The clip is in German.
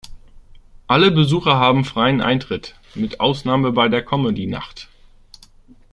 Alle Besucher haben freien Eintritt, mit Ausnahme bei der Comedy-Nacht.